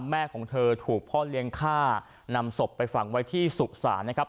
แม่ของเธอถูกพ่อเลี้ยงฆ่านำศพไปฝังไว้ที่สุสานนะครับ